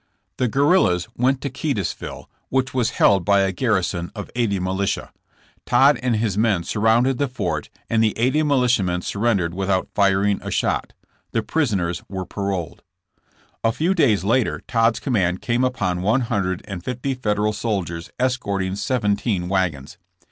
The guerrillas went to Keytesville, which was held by a 48 JESSB JAMKS. garrison of eighty militia. Todd and his men sur rounded the fort and the eighty militiamen surren dered without firing a shot. The prisoners were paroled. A few days later Todd's command came upon one hundred and fifty Federal soldiers escorting seventeen wagons.